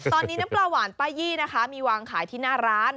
ตอนนี้น้ำปลาหวานป้ายี่นะคะมีวางขายที่หน้าร้าน